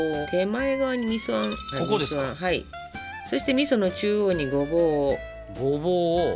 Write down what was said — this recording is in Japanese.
そしてみその中央にごぼうを。